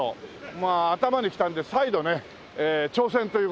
まあ頭にきたんで再度ね挑戦という事で。